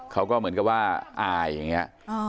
เขาก็เหมือนกับว่าอายอย่างนี้